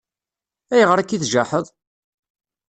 Ayɣer akka i tjaḥeḍ?